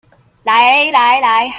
來來來